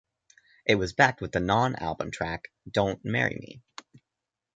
It was backed with the non-album track "Don't Marry Me".